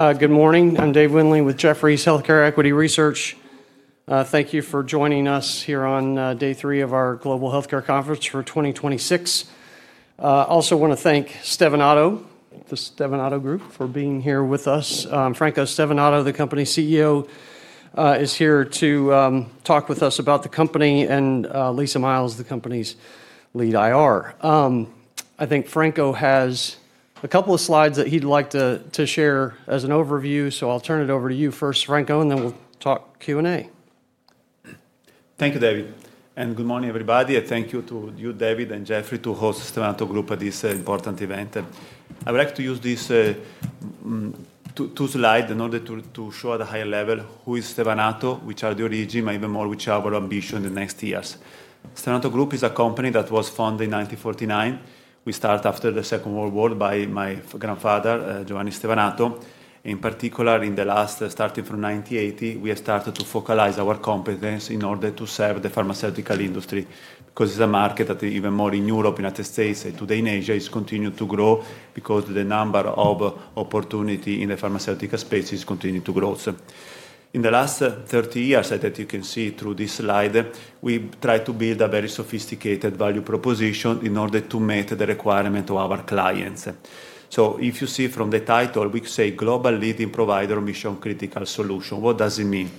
Good morning. I'm Dave Windley with Jefferies Healthcare Equity Research. Thank you for joining us here on day three of our Global Healthcare Conference for 2026. Also want to thank Stevanato, the Stevanato Group, for being here with us. Franco Stevanato, the company's CEO, is here to talk with us about the company, and Lisa Miles, the company's lead IR. I think Franco has a couple of slides that he'd like to share as an overview, so I'll turn it over to you first, Franco, and then we'll talk Q&A. Thank you, David, and good morning, everybody. Thank you to you, David and Jefferies, to host Stevanato Group at this important event. I would like to use these two slides in order to show at a high level who is Stevanato, which are the origin, even more which are our ambition in the next years. Stevanato Group is a company that was founded in 1949. We start after the Second World War by my grandfather, Giovanni Stevanato. In particular, starting from 1980, we have started to focalize our competence in order to serve the pharmaceutical industry, because it's a market that, even more in Europe, United States, and today in Asia, has continued to grow because the number of opportunity in the pharmaceutical space is continuing to grow. In the last 30 years, as you can see through this slide, we've tried to build a very sophisticated value proposition in order to meet the requirement of our clients. If you see from the title, we say global leading provider, mission-critical solution. What does it mean?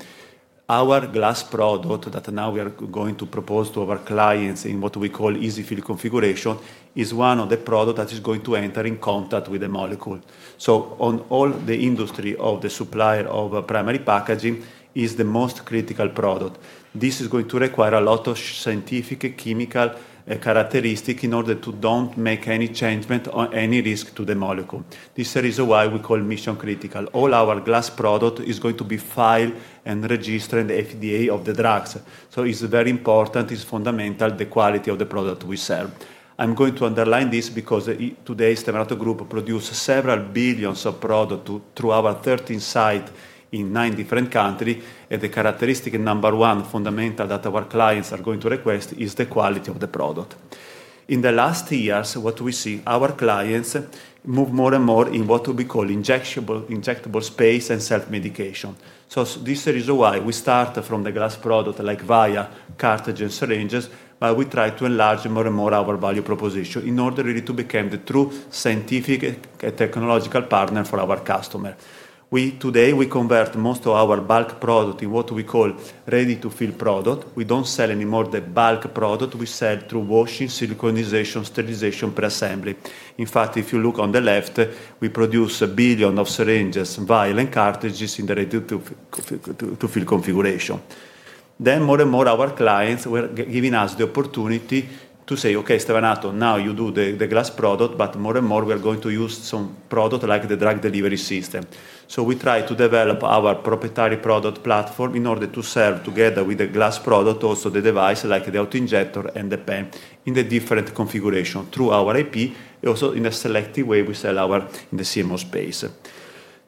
Our glass product that now we are going to propose to our clients in what we call EZ-fill configuration is one of the product that is going to enter in contact with the molecule. On all the industry of the supplier of primary packaging is the most critical product. This is going to require a lot of scientific chemical characteristic in order to not make any change or any risk to the molecule. This is the reason why we call mission-critical. All our glass product is going to be filed and registered in the FDA of the drugs. It's very important, it's fundamental, the quality of the product we sell. I'm going to underline this because today, Stevanato Group produce several billions of product through our 13 site in nine different country. The characteristic number one fundamental that our clients are going to request is the quality of the product. In the last years, what we see, our clients move more and more in what we call injectable space and self-medication. This is the reason why we start from the glass product, like vial, cartridge, and syringes, but we try to enlarge more and more our value proposition in order really to become the true scientific technological partner for our customer. Today, we convert most of our bulk product in what we call ready-to-fill product. We don't sell anymore the bulk product. We sell through washing, siliconization, sterilization, pre-assembly. In fact, if you look on the left, we produce a billion of syringes, vial, and cartridges in the ready-to-fill configuration. More and more our clients were giving us the opportunity to say, "Okay, Stevanato, now you do the glass product, but more and more we're going to use some product like the drug delivery system." We try to develop our proprietary product platform in order to sell together with the glass product also the device like the auto-injector and the pen in the different configuration through our IP. Also in a selective way, we sell in the CMO space.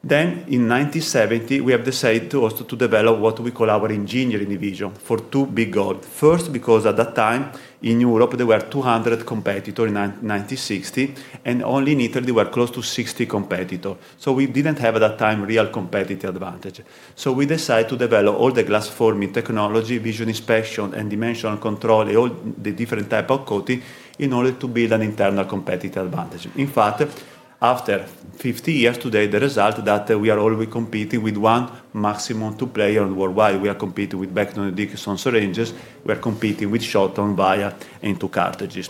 In 1970, we have decided also to develop what we call our engineering division for two big goal. First, because at that time in Europe, there were 200 competitor in 1960, and only in Italy were close to 60 competitor. We didn't have at that time real competitive advantage. We decide to develop all the glass forming technology, vision inspection, and dimensional control, all the different type of coating in order to build an internal competitive advantage. In fact, after 50 years, today the result that we are only competing with one maximum two player worldwide. We are competing with Becton, Dickinson syringes. We are competing with Schott on vials into cartridges.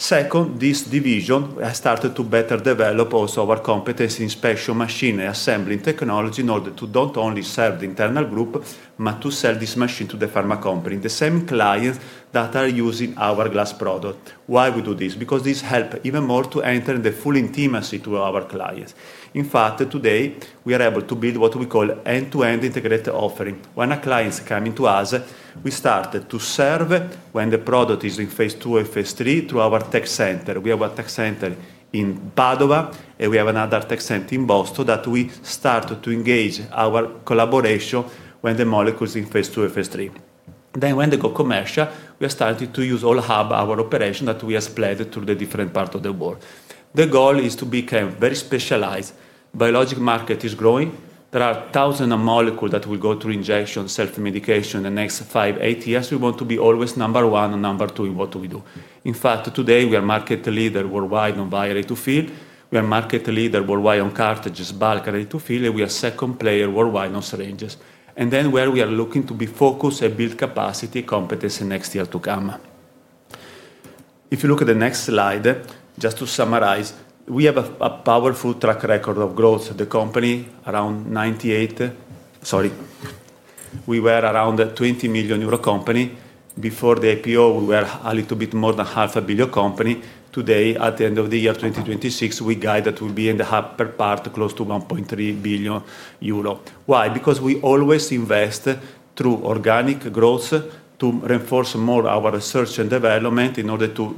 Second, this division has started to better develop also our competency inspection machine and assembly technology in order to not only serve the internal group, but to sell this machine to the pharma company, the same clients that are using our glass product. Why we do this? This help even more to enter in the full intimacy to our clients. In fact, today we are able to build what we call end-to-end integrated offering. When a client's coming to us, we start to serve when the product is in phase II or phase III through our tech center. We have a tech center in Padova, we have another tech center in Boston that we start to engage our collaboration when the molecule's in phase II or phase III. When they go commercial, we are starting to use all hub, our operation that we have spread through the different part of the world. The goal is to become very specialized. Biologic market is growing. There are thousand of molecule that will go through injection, self-medication in the next five, eight years. We want to be always number one or number two in what we do. In fact, today we are market leader worldwide on vial ready-to-fill. We are market leader worldwide on cartridges bulk ready-to-fill, we are second player worldwide on syringes. Where we are looking to be focused and build capacity, competence in next year to come. If you look at the next slide, just to summarize, we have a powerful track record of growth. We were around a 20 million euro company. Before the IPO, we were a little bit more than 500 million company. Today, at the end of the year 2026, we guided we'll be in the half per part, close to 1.3 billion euro. Why? We always invest through organic growth to reinforce more our research and development in order to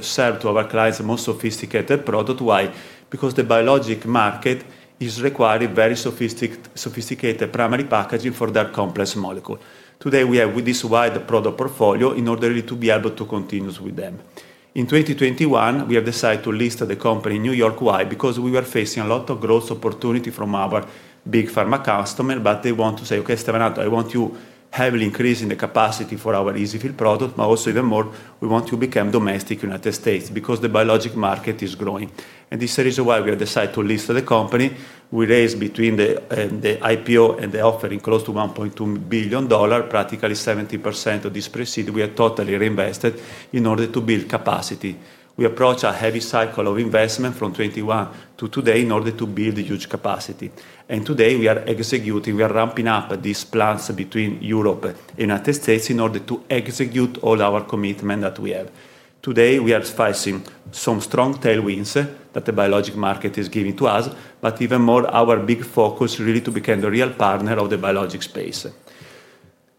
serve to our clients the most sophisticated product. Why? The biologic market is requiring very sophisticated primary packaging for their complex molecule. Today, we have this wide product portfolio in order to be able to continue with them. In 2021, we have decided to list the company in New York. Why? We were facing a lot of growth opportunity from our big pharma customer, but they want to say, "Okay, Stevanato, I want you heavily increase in the capacity for our EZ-fill product, but also even more, we want to become domestic U.S.," because the biologic market is growing. This is the reason why we have decided to list the company. We raised between the IPO and the offering close to $1.2 billion. Practically 70% of this proceed we have totally reinvested in order to build capacity. We approach a heavy cycle of investment from 2021 to today in order to build huge capacity. Today, we are executing, we are ramping up these plans between Europe and United States in order to execute all our commitment that we have. Today, we are facing some strong tailwinds that the biologic market is giving to us, but even more, our big focus really to become the real partner of the biologic space.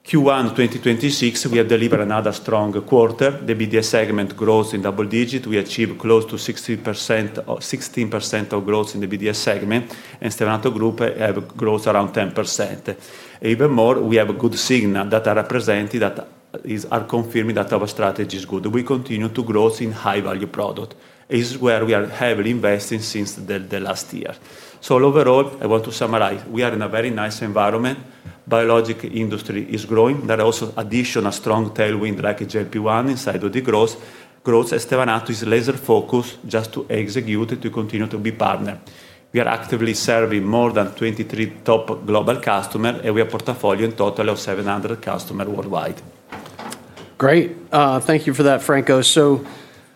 Q1 2026, we have delivered another strong quarter. The BDS segment grows in double digit. We achieve close to 16% of growth in the BDS segment, and Stevanato Group have growth around 10%. We have a good signal that are presenting, that are confirming that our strategy is good. We continue to growth in high-value product. It is where we are heavily investing since the last year. Overall, I want to summarize, we are in a very nice environment. Biologic industry is growing. There are also additional strong tailwind, like GLP-1 inside of the growth. Growth at Stevanato is laser-focused just to execute, to continue to be partner. We are actively serving more than 23 top global customer. We have portfolio in total of 700 customer worldwide. Great. Thank you for that, Franco.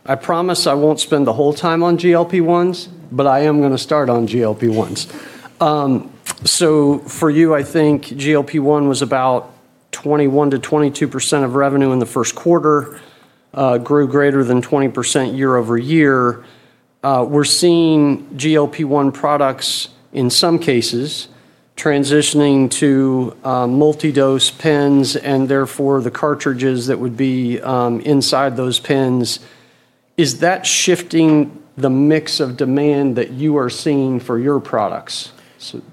I promise I won't spend the whole time on GLP-1s, I am going to start on GLP-1s. For you, I think GLP-1 was about 21%-22% of revenue in the first quarter, grew greater than 20% year-over-year. We're seeing GLP-1 products, in some cases, transitioning to multi-dose pens, and therefore, the cartridges that would be inside those pens. Is that shifting the mix of demand that you are seeing for your products,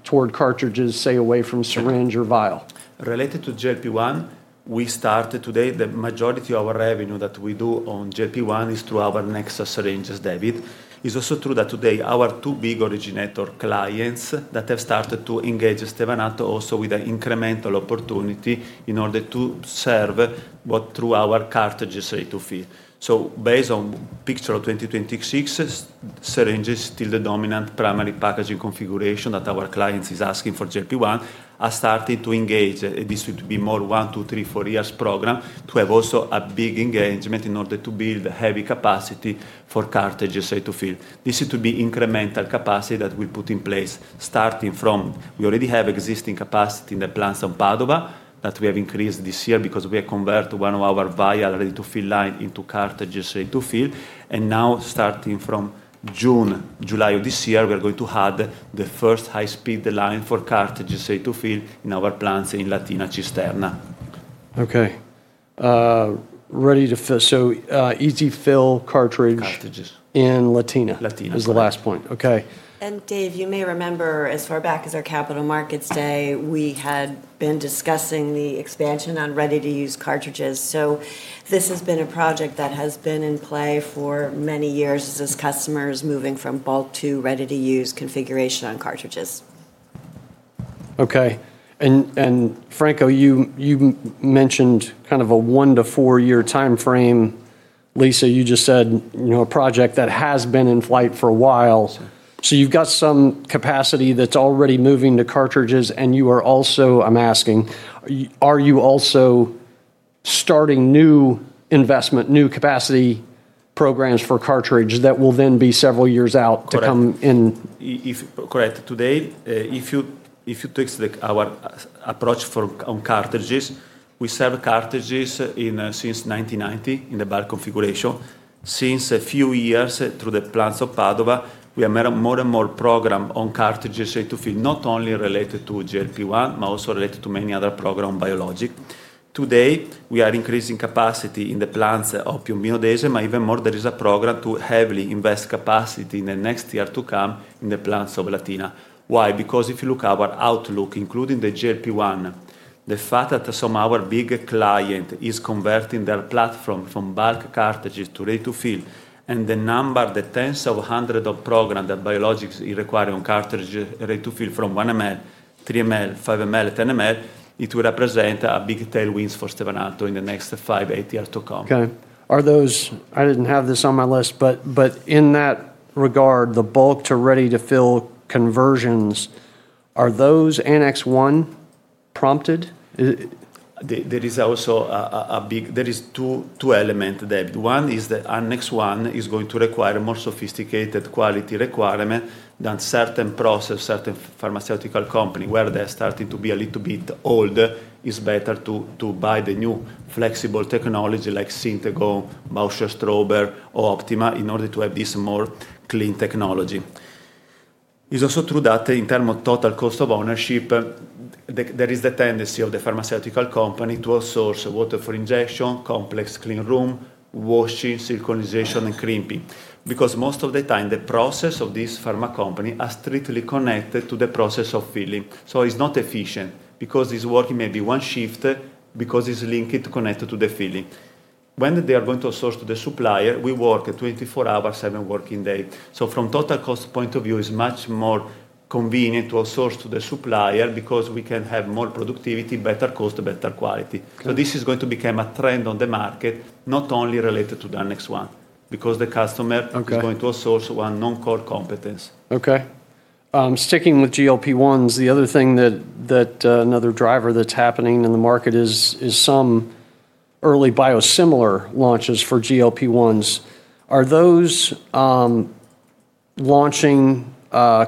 toward cartridges, say, away from syringe or vial? Related to GLP-1, we started today, the majority of our revenue that we do on GLP-1 is through our Nexa syringes, David. It's also true that today, our two big originator clients that have started to engage Stevanato also with an incremental opportunity in order to serve through our cartridges ready-to-fill. Based on picture of 2026, syringe is still the dominant primary packaging configuration that our clients is asking for GLP-1, are starting to engage. This would be more one, two, three, four years program to have also a big engagement in order to build heavy capacity for cartridges ready-to-fill. This is to be incremental capacity that we put in place, starting from, we already have existing capacity in the plants of Padova that we have increased this year because we have converted one of our vial ready-to-fill line into cartridges ready-to-fill. Now starting from June, July of this year, we are going to add the first high-speed line for cartridges ready-to-fill in our plants in Cisterna di Latina. Okay. Ready-to-fill, so EZ-fill cartridge- Cartridges in Latina. Latina is the last point. Okay. Dave, you may remember, as far back as our Capital Markets Day, we had been discussing the expansion on ready-to-use cartridges. This has been a project that has been in play for many years as this customer is moving from bulk to ready-to-use configuration on cartridges. Okay. Franco, you mentioned kind of a one to four-year timeframe. Lisa, you just said a project that has been in flight for a while. You've got some capacity that's already moving to cartridges, and you are also, I'm asking, are you also starting new investment, new capacity programs for cartridges that will then be several years out to come in? Correct. Today, if you take our approach on cartridges, we sell cartridges since 1990 in the bulk configuration. Since a few years, through the plants of Padova, we have more and more program on cartridges ready-to-fill, not only related to GLP-1, but also related to many other program on biologic. Today, we are increasing capacity in the plants of Piombino Dese, even more, there is a program to heavily invest capacity in the next year to come in the plants of Latina. Why? If you look our outlook, including the GLP-1, the fact that some our big client is converting their platform from bulk cartridges to ready to fill, the number, the tens of hundred of program that biologics is requiring cartridge ready to fill from 1 ml, 3 ml, 5 ml, 10 ml, it will represent a big tailwinds for Stevanato in the next five, eight years to come. Okay. I didn't have this on my list, but in that regard, the bulk to ready-to-fill conversions, are those Annex 1 prompted? There is two element, Dave. One is that Annex 1 is going to require a more sophisticated quality requirement than certain process, certain pharmaceutical company. Where they are starting to be a little bit old, it's better to buy the new flexible technology like Syntegon, Bausch+Ströbel, or Optima, in order to have this more clean technology. It's also true that in terms of total cost of ownership, there is the tendency of the pharmaceutical company to outsource water for injection, complex clean room, washing, siliconization, and crimping. Because most of the time, the process of this pharma company are strictly connected to the process of filling. It's not efficient, because it's working maybe one shift, because it's linked, connected to the filling. When they are going to outsource to the supplier, we work 24 hours, seven working days. From total cost point of view, it's much more convenient to outsource to the supplier because we can have more productivity, better cost, better quality. Okay. This is going to become a trend on the market, not only related to the Annex 1. Okay Because the customer is going to outsource one non-core competence. Okay. Sticking with GLP-1s, the other thing that, another driver that's happening in the market is some early biosimilar launches for GLP-1s. Are those launching,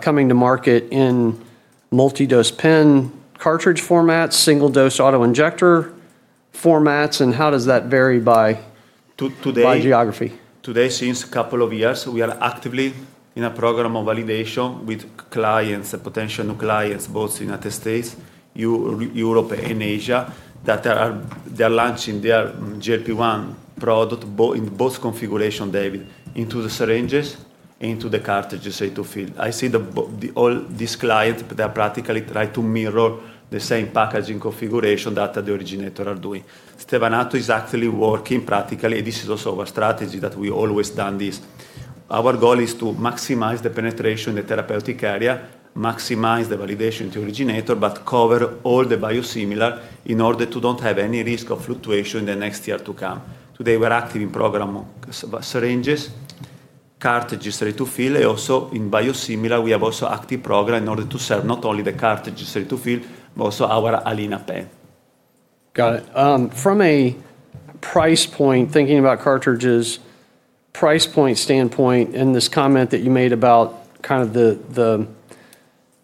coming to market in multi-dose pen cartridge formats, single-dose auto-injector formats, and how does that vary by geography? Today, since a couple of years, we are actively in a program of validation with clients and potential new clients, both United States, Europe, and Asia, that are launching their GLP-1 product in both configurations, Dave, into the syringes, into the cartridges, ready-to-fill. I see all these clients, they are practically trying to mirror the same packaging configuration that the originator are doing. Stevanato is actually working practically, this is also our strategy that we always done this. Our goal is to maximize the penetration in the therapeutic area, maximize the validation to originator, but cover all the biosimilar in order to not have any risk of fluctuation in the next year to come. Today, we're active in program syringes, cartridges ready-to-fill, also in biosimilar, we have also active program in order to serve not only the cartridges ready-to-fill, but also our Alina pen. Got it. From a price point, thinking about cartridges, price point standpoint and this comment that you made about the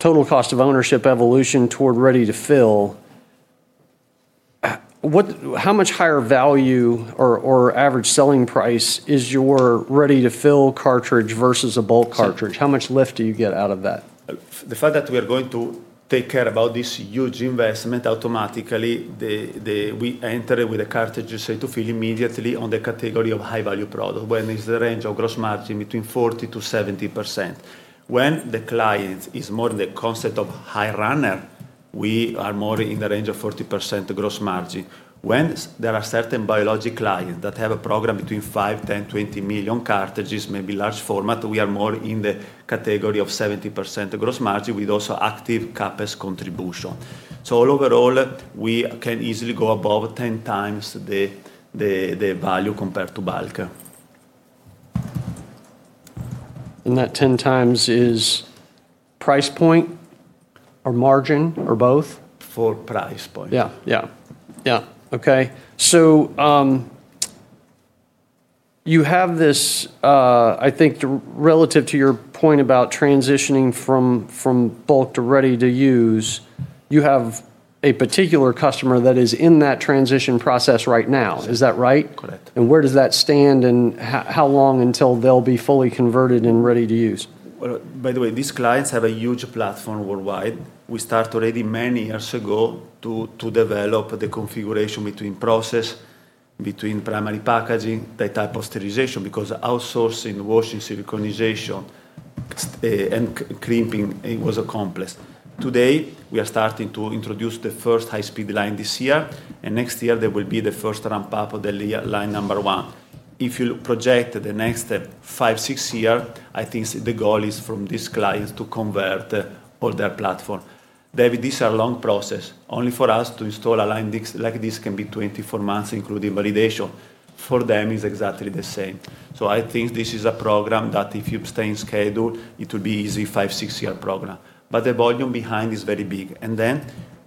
total cost of ownership evolution toward ready-to-fill, how much higher value or average selling price is your ready-to-fill cartridge versus a bulk cartridge? How much lift do you get out of that? The fact that we are going to take care about this huge investment, automatically, we enter with a cartridge ready-to-fill immediately on the category of high-value product, when it's the range of gross margin between 40%-70%. When the client is more in the concept of high runner, we are more in the range of 40% gross margin. When there are certain biologic clients that have a program between 5 million, 10 million, 20 million cartridges, maybe large format, we are more in the category of 70% gross margin with also active CapEx contribution. All overall, we can easily go above 10x the value compared to bulk. That 10x is price point, or margin, or both? For price point. Yeah. Okay. You have this, I think relative to your point about transitioning from bulk to ready-to-use, you have a particular customer that is in that transition process right now. Is that right? Correct. Where does that stand, and how long until they'll be fully converted and ready to use? Well, by the way, these clients have a huge platform worldwide. We start already many years ago to develop the configuration between process, between primary packaging, the type of sterilization, because outsourcing, washing, siliconization, and crimping, it was accomplished. Today, we are starting to introduce the first high-speed line this year. Next year there will be the first ramp-up of the line number one. If you project the next five, six-year, I think the goal is from these clients to convert all their platform. Dave, this is a long process. Only for us to install a line like this can be 24 months, including validation. For them, it's exactly the same. I think this is a program that if you stay in schedule, it will be easy five, six-year program. The volume behind is very big.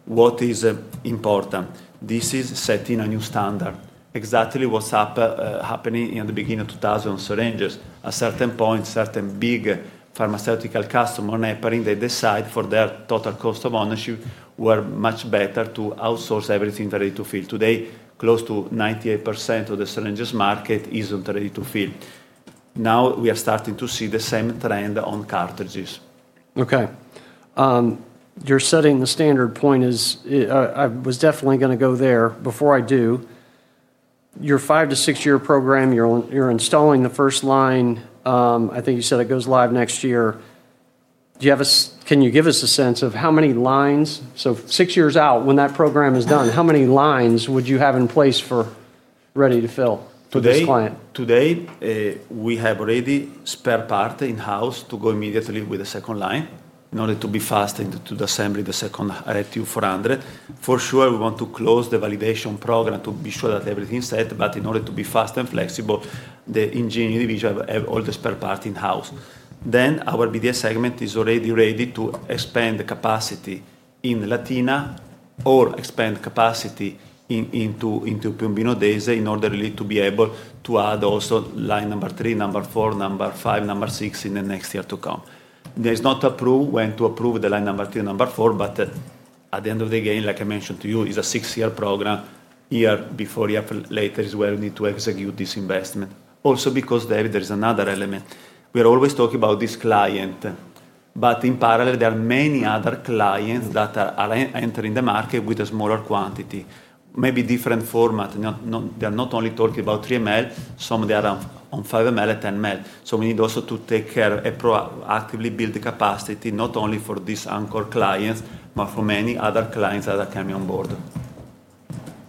What is important, this is setting a new standard. Exactly what's happening in the beginning of 2000 on syringes. A certain point, certain big pharmaceutical customer they decide for their total cost of ownership were much better to outsource everything ready-to-fill. Today, close to 98% of the syringes market is on ready-to-fill. Now we are starting to see the same trend on cartridges. Okay. Your setting the standard point is, I was definitely going to go there. Before I do, your five to six-year program, you're installing the first line, I think you said it goes live next year. Can you give us a sense of six years out, when that program is done, how many lines would you have in place for ready-to-fill for this client? Today, we have ready spare parts in-house to go immediately with the second line in order to be fast and to assemble the second RTU 400. For sure, we want to close the validation program to be sure that everything's set, in order to be fast and flexible, the engineering division has all the spare parts in-house. Our BDS segment is already ready to expand the capacity in Latina or expand capacity into Piombino Dese in order really to be able to add also line number three, number four, number five, number six in the next year to come. There's not a clue when to approve the line number three and number four. At the end of the day, like I mentioned to you, it's a six-year program. Year before, year later is where we need to execute this investment. Also because, Dave, there is another element. We are always talking about this client, but in parallel, there are many other clients that are entering the market with a smaller quantity, maybe different format. They're not only talking about 3 ml, some they are on 5 ml and 10 ml. We need also to take care and proactively build the capacity not only for these anchor clients, but for many other clients that are coming on board.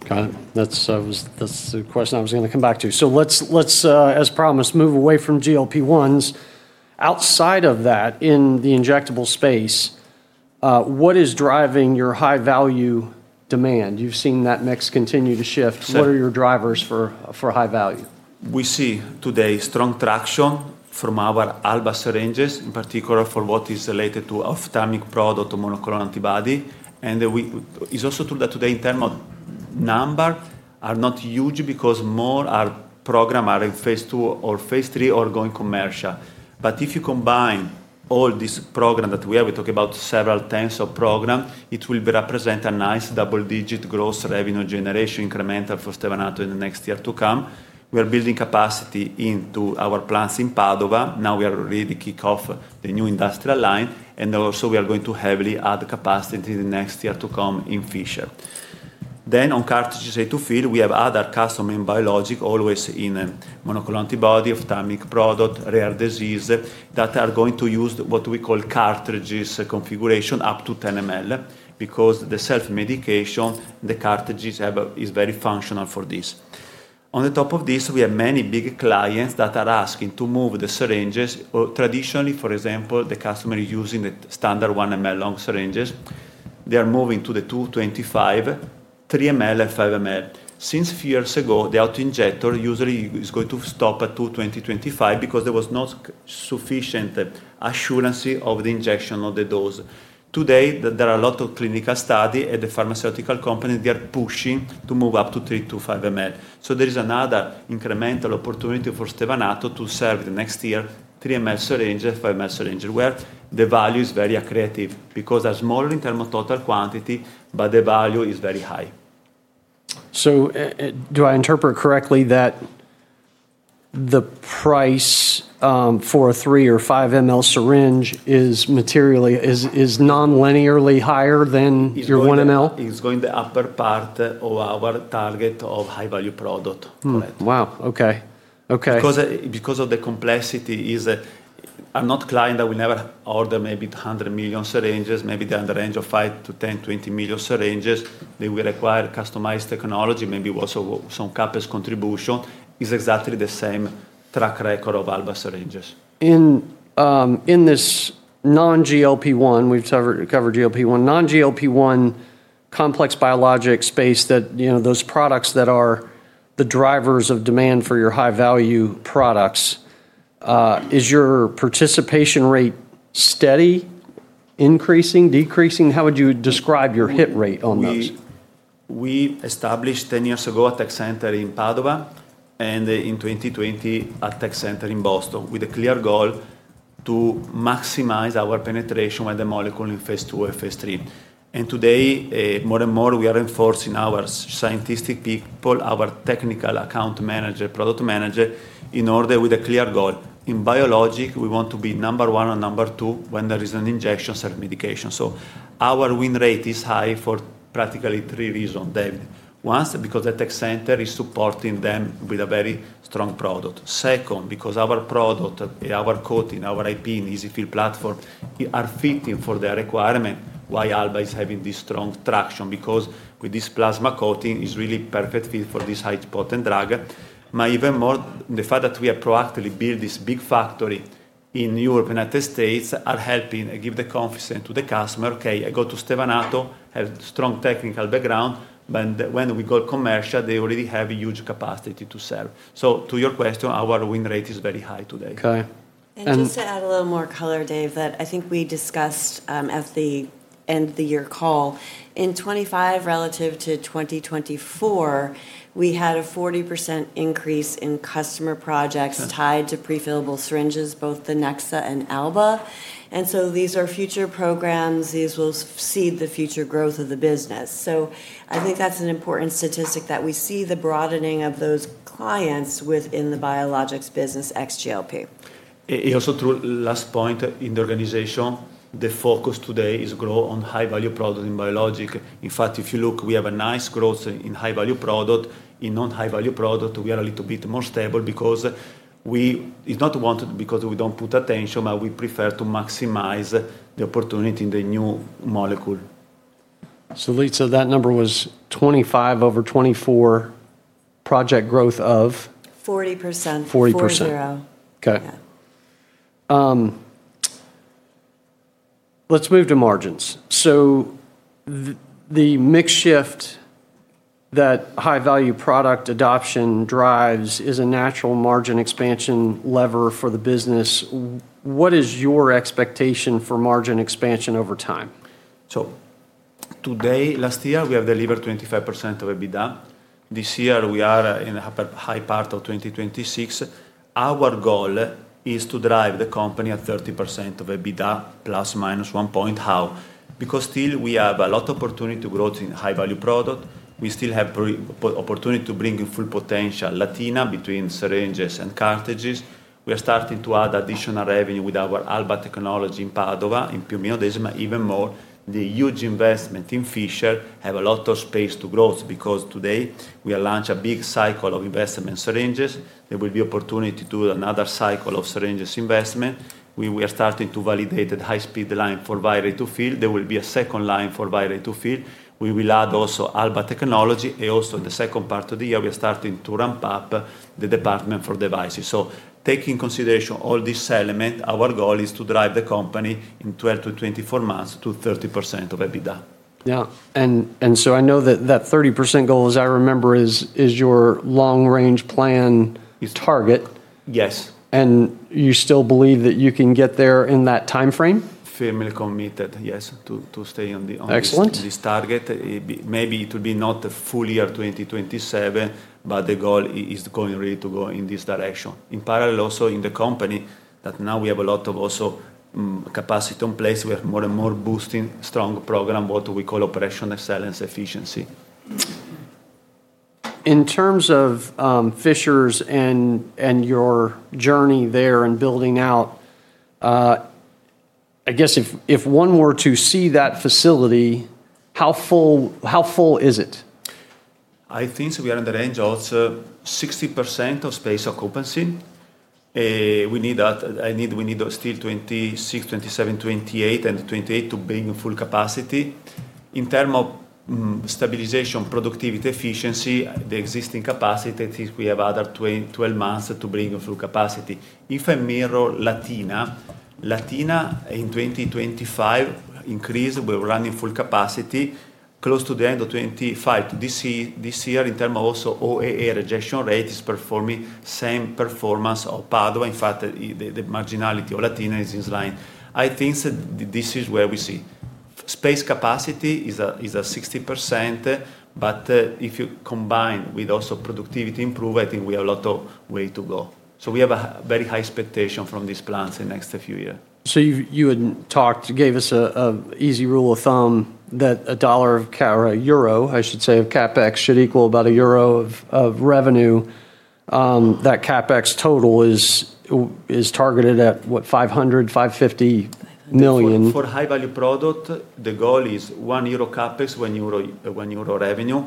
Got it. That's the question I was going to come back to. Let's, as promised, move away from GLP-1s. Outside of that, in the injectable space, what is driving your high-value demand? You've seen that mix continue to shift. So- What are your drivers for high value? We see today strong traction from our Alba syringes, in particular for what is related to ophthalmic product or monoclonal antibody. It's also true that today in terms of number are not huge because more our programs are in phase II or phase III or going commercial. If you combine all these programs that we have, we talk about several tens of programs, it will represent a nice double-digit gross revenue generation incremental for Stevanato in the next year to come. We are building capacity into our plants in Padova. Now we are ready to kick off the new industrial line, and also we are going to heavily add capacity in the next year to come in Fishers. On cartridges EZ-fill, we have other customer in biologic, always in a monoclonal antibody, ophthalmic product, rare disease, that are going to use what we call cartridges configuration up to 10 ml because the self-medication, the cartridges is very functional for this. On the top of this, we have many big clients that are asking to move the syringes, or traditionally, for example, the customer is using the standard 1 ml long syringes. They are moving to the 2.25ml, 3 ml, and 5 ml. Since few years ago, the auto-injector usually is going to stop at 2.20ml, 2.25ml because there was not sufficient assurance of the injection of the dose. Today, there are a lot of clinical study at the pharmaceutical company, they are pushing to move up to 3-5 ml. There is another incremental opportunity for Stevanato to serve the next year, 3 ml syringe, 5 ml syringe, where the value is very accretive because they are smaller in terms of total quantity but the value is very high. Do I interpret correctly that the price for a 3 or 5 ml syringe is non-linearly higher than your 1 ml? It's going the upper part of our target of high-value product. Correct. Wow, okay. Because of the complexity is, a client that will never order maybe 100 million syringes, maybe they're in the range of 5 million-10 million, 20 million syringes. They will require customized technology, maybe also some CapEx contribution, is exactly the same track record of Alba syringes. In this non-GLP-1, we've covered GLP-1, non-GLP-1 complex biologic space, those products that are the drivers of demand for your high-value products, is your participation rate steady? Increasing? Decreasing? How would you describe your hit rate on those? We established 10 years ago a tech center in Padova and in 2020, a tech center in Boston, with a clear goal to maximize our penetration with the molecule in phase II or phase III. Today, more and more we are enforcing our scientific people, our technical account manager, product manager, in order with a clear goal. In biologics, we want to be number one or number two when there is an injection certain medication. Our win rate is high for practically three reasons, Dave. One, because the tech center is supporting them with a very strong product. Second, because our product, our coating, our IP in EZ-fill platform, are fitting for the requirement why Alba is having this strong traction, because with this plasma coating, it's really perfect fit for this high-potent drug. Even more, the fact that we have proactively built this big factory in Europe and United States is helping give the confidence to the customer, "Okay, I go to Stevanato, have strong technical background." When we go commercial, they already have a huge capacity to sell. To your question, our win rate is very high today. Okay. And- Just to add a little more color, Dave, that I think we discussed at the end of the year call. In 2025, relative to 2024, we had a 40% increase in customer projects tied to prefillable syringes, both the Nexa and Alba. These are future programs. These will seed the future growth of the business. I think that's an important statistic that we see the broadening of those clients within the biologics business ex GLP. Also true, last point, in the organization, the focus today is grow on high-value product in biologic. If you look, we have a nice growth in high-value product. In non-high-value product, we are a little bit more stable because it's not wanted because we don't put attention, but we prefer to maximize the opportunity in the new molecule. Lisa, that number was 2025 over 2024 project growth of? 40%. 40%. Four, zero. Okay. Yeah. Let's move to margins. The mix shift that high-value product adoption drives is a natural margin expansion lever for the business. What is your expectation for margin expansion over time? Today, last year, we have delivered 25% of EBITDA. This year, we are in the high part of 2026. Our goal is to drive the company at 30% of EBITDA, ±1 point. How? Still we have a lot opportunity to growth in high-value product. We still have opportunity to bring in full potential Latina between syringes and cartridges. We are starting to add additional revenue with our Alba technology in Padova, in Piombino Dese. Even more, the huge investment in Fishers have a lot of space to growth, today we launch a big cycle of investment syringes. There will be opportunity to do another cycle of syringes investment. We are starting to validate the high-speed line for vial ready-to-fill. There will be a second line for vial ready-to-fill. We will add also Alba technology. Also, in the second part of the year, we are starting to ramp up the department for devices. Taking consideration all these elements, our goal is to drive the company in 12-24 months to 30% of EBITDA. Yeah. I know that that 30% goal, as I remember, is your long-range plan target. Yes. You still believe that you can get there in that timeframe? Firmly committed, yes, to stay on the. Excellent this target. Maybe it will be not the full year 2027, but the goal is going, really, to go in this direction. In parallel, also, in the company, that now we have a lot of capacity in place. We are more and more boosting strong program, what we call operational excellence efficiency. In terms of Fishers and your journey there and building out, I guess if one were to see that facility, how full is it? I think we are in the range of 60% of space occupancy. We need still 2026, 2027, 2028, and 2028 to bring full capacity. In terms of stabilization, productivity, efficiency, the existing capacity, I think we have other 12 months to bring full capacity. If I mirror Latina, Latina in 2025 increase. We were running full capacity close to the end of 2025. This year, in terms of also OEE rejection rate, is performing same performance of Padova. The marginality of Latina is in line. I think that this is where we see. Space capacity is at 60%, but if you combine with also productivity improve, I think we have a lot of way to go. We have a very high expectation from these plants in next few year. You had gave us a easy rule of thumb that EUR 1 of CapEx should equal about EUR 1 of revenue. That CapEx total is targeted at, what? 500 million-550 million. For high-value product, the goal is 1 euro CapEx, 1 euro revenue.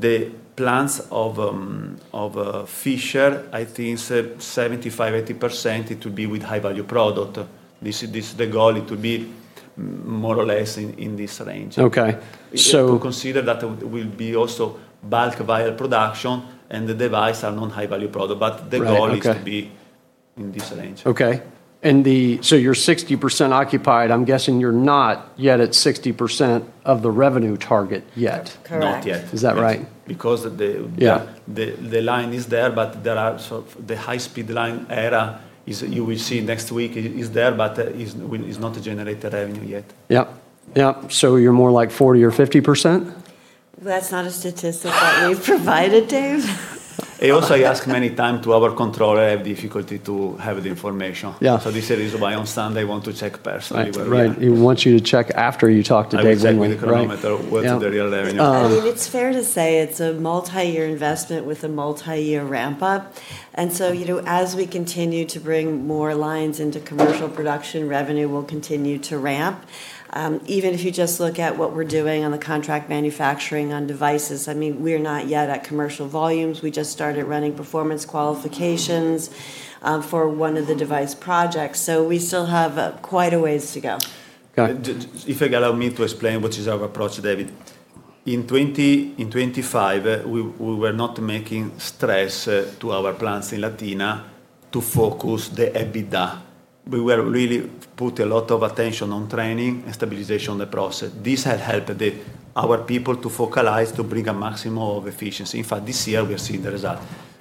The plans of Fishers, I think is at 75%-80%, it will be with high-value product. This is the goal, it will be more or less in this range. Okay. If you consider that will be also bulk vial production, and the device are non-high-value product, but the goal- Right. Okay. is to be in this range. Okay. You're 60% occupied. I'm guessing you're not yet at 60% of the revenue target yet. Correct. Not yet. Is that right? Because the- Yeah the line is there, but the high-speed line area, you will see next week, is there, but it's not generating revenue yet. Yep. You're more like 40% or 50%? That's not a statistic that we've provided, Dave. I also ask many time to our controller, have difficulty to have the information. Yeah. This is why on Sunday I want to check personally where we are. Right. He wants you to check after you talk to Dave Windley. Right. I will check with the parameter what is the real revenue. I mean, it's fair to say it's a multi-year investment with a multi-year ramp-up. As we continue to bring more lines into commercial production, revenue will continue to ramp. Even if you just look at what we're doing on the contract manufacturing on devices, we're not yet at commercial volumes. We just started running performance qualifications for one of the device projects. We still have quite a ways to go. Go ahead. If you allow me to explain what is our approach, Dave. In 2025, we were not making stress to our plants in Latina to focus the EBITDA. We were really put a lot of attention on training and stabilization the process. This had helped our people to focalize to bring a maximum of efficiency. In fact, this year we are seeing the result.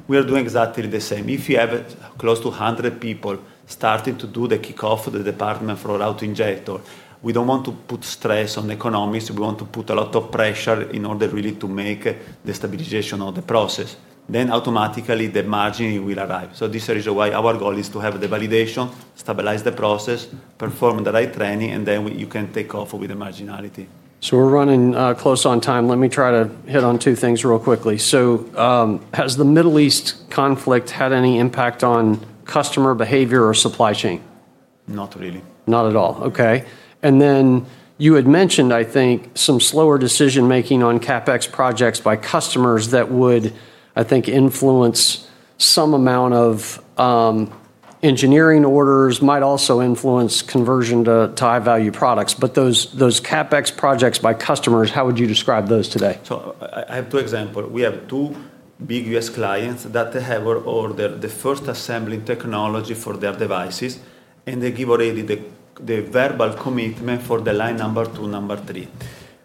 We are doing exactly the same. If you have close to 100 people starting to do the kickoff for the department for auto-injector, we don't want to put stress on economics. We want to put a lot of pressure in order, really, to make the stabilization of the process. Automatically, the margin will arrive. This is why our goal is to have the validation, stabilize the process, perform the right training, and then you can take off with the marginality. We're running close on time. Let me try to hit on two things real quickly. Has the Middle East conflict had any impact on customer behavior or supply chain? Not really. Not at all. Okay. You had mentioned, I think, some slower decision-making on CapEx projects by customers that would, I think, influence some amount of engineering orders, might also influence conversion to high-value products. Those CapEx projects by customers, how would you describe those today? I have two example. We have two big U.S. clients that have ordered the first assembly technology for their devices. They give already the verbal commitment for the line number two, number three.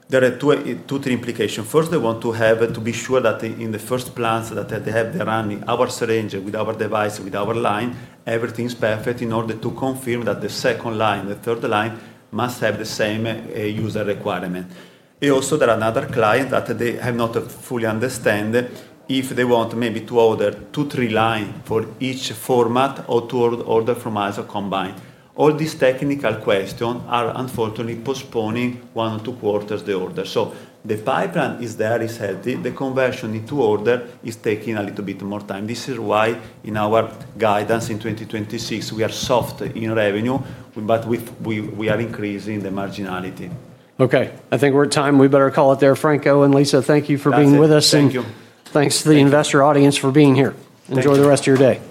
There are two, three implication. First, they want to be sure that in the first plants that they have the running our syringe with our device, with our line, everything's perfect in order to confirm that the second line, the third line must have the same user requirement. Also, there are another client that they have not fully understand if they want maybe to order two, three line for each format, or to order from us combined. All these technical question are unfortunately postponing one, two quarters the order. The pipeline is there, is healthy. The conversion into order is taking a little bit more time. This is why in our guidance in 2026, we are soft in revenue, but we are increasing the marginality. Okay. I think we're at time. We better call it there. Franco and Lisa, thank you for being with us. That's it. Thank you. Thanks to the investor audience for being here. Thank you. Enjoy the rest of your day.